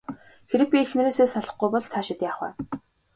Хэрэв би эхнэрээсээ салахгүй бол цаашид яах вэ?